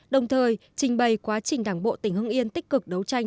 đồng thời trình bày quá trình đảng bộ tỉnh hương nghiên tích cực đấu tranh